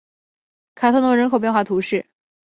卡特农人口变化图示